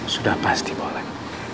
sudah pasti boleh